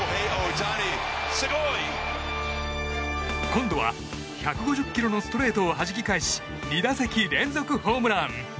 今度は１５０キロのストレートをはじき返し２打席連続ホームラン。